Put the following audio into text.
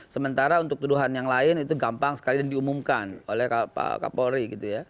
sementara untuk tuduhan yang lain itu gampang sekali dan diumumkan oleh pak kapolri gitu ya